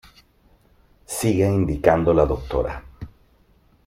Sigue indicando la Dra.